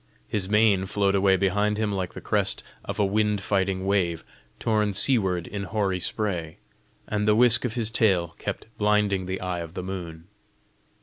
His mane flowed away behind him like the crest of a wind fighting wave, torn seaward in hoary spray, and the whisk of his tail kept blinding the eye of the moon.